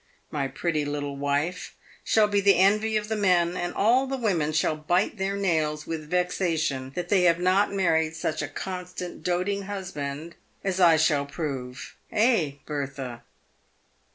My pretty little wife shall be the envy of the men, and all the women shall bite their nails with vexation that they have not married such a constant, doting husband, as I shall prove— eh, Bertha